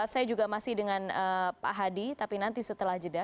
saya juga masih dengan pak hadi tapi nanti setelah jeda